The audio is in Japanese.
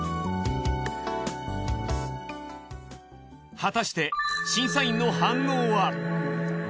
果たして審査員の反応は？